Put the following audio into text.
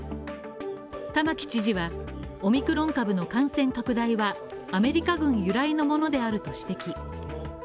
玉城知事はオミクロン株の感染拡大はアメリカ軍由来のものであると指摘。